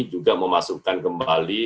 juga memasukkan kembali